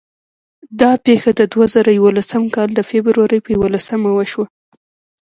دا پېښه د دوه زره یولسم کال د فبرورۍ په یوولسمه وشوه.